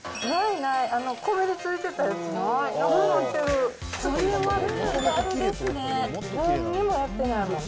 なんにもやってないもんね。